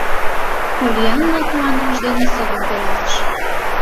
Поллианна куанымыж дене совым пералтыш.